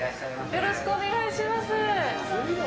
よろしくお願いします。